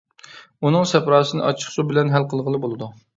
ئۇنىڭ سەپراسىنى ئاچچىقسۇ بىلەن ھەل قىلغىلى بولىدۇ.